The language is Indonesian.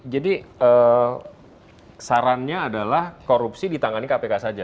jadi sarannya adalah korupsi ditangani kpk saja